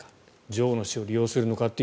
女王の死を利用するのかって